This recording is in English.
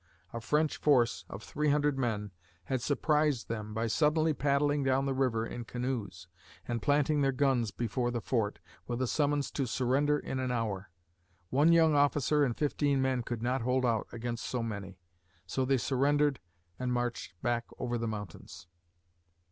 A French force of three hundred men had surprised them by suddenly paddling down the river in canoes, and planting their guns before the fort, with a summons to surrender in an hour. One young officer and fifty men could not hold out against so many. So they surrendered and marched back over the mountains.